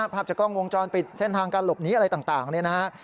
ภาพจักรกองวงจรปิดเส้นทางการหลบหนีอะไรต่างนะครับ